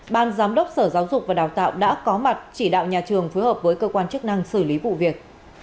ban giám đốc sở giáo dục và đào tạo đã có mặt chỉ đạo nhà trường phối hợp với cơ quan chức năng xử lý vụ việc